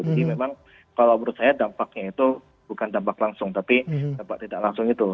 jadi memang kalau menurut saya dampaknya itu bukan dampak langsung tapi dampak tidak langsung itu